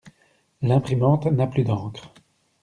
L'imprimante n'a plus d'encre.